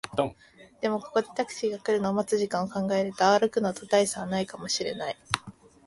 でも、ここでタクシーが来るのを待つ時間を考えると、歩くのと大差はないかもしれない